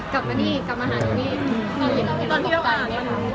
กลับมานี่กลับมาหานี่